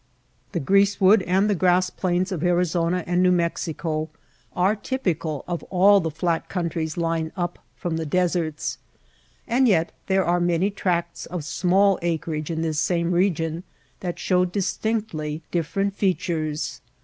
The grease wood and the grass plains of Ari zona and New Mexico are typical of all the flat countries lying up from the deserts ; and yet there are many tracts of small acreage in this same region that show distinctly different feat ures.